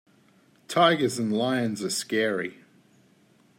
Tigers and lions are scary.